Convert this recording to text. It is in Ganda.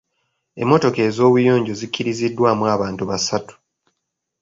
Emmotoka ez’obuyonjo zikkiriziddwamu abantu basatu.